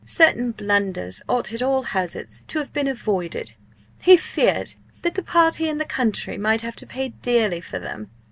Certain blunders ought at all hazards to have been avoided. He feared that the party and the country might have to pay dearly for them.